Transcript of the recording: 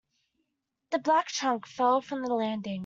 The black trunk fell from the landing.